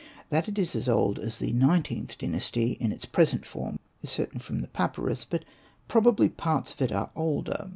That it is as old as the XlXth Dynasty in its present form is certain from the papyrus ; but probably parts of it are older.